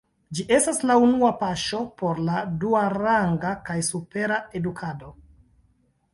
Ĝi estas la unua paŝo por la duaranga kaj supera edukado.